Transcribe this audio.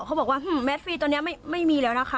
เขาบอกว่าแมสฟรีตอนนี้ไม่มีแล้วนะคะ